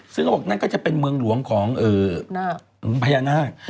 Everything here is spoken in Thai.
ซึ่งเขาบอกนั่นก็จะเป็นเมืองหลวงของพญานาค